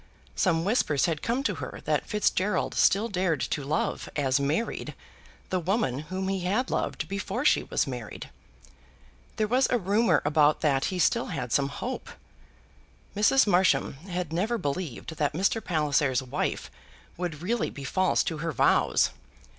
Some whispers had come to her that Fitzgerald still dared to love, as married, the woman whom he had loved before she was married. There was a rumour about that he still had some hope. Mrs. Marsham had never believed that Mr. Palliser's wife would really be false to her vows.